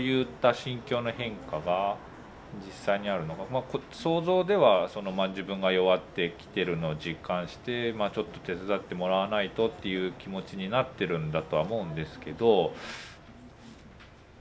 まあ想像では自分が弱ってきてるのを実感して「ちょっと手伝ってもらわないと」っていう気持ちになってるんだとは思うんですけど。